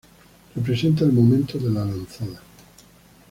Representa el momento de la lanzada.